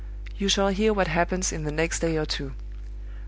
"You shall hear what happens in the next day or two.